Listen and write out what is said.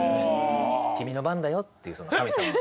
「君の番だよ」っていう神様の。